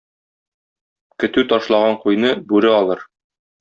Көтү ташлаган куйны бүре алыр.